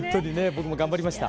僕も頑張りました。